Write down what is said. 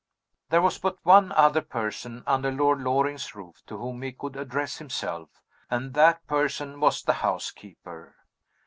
There was but one other person under Lord Loring's roof to whom he could address himself and that person was the housekeeper.